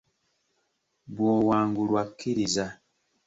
Bw'owangulwa kkiriza.